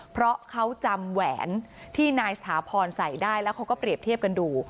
เพราะเขาจำแหวนที่นายสถาพรใส่ได้แล้วเขาก็เปรียบเทียบกันดู